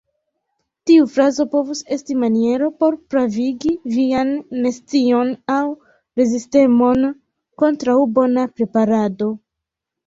Tiu frazo povus esti maniero por pravigi vian nescion aŭ rezistemon kontraŭ bona preparado.